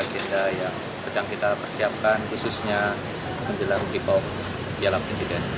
joko drono meminta penyadwalan ulang piala ffu dua puluh dua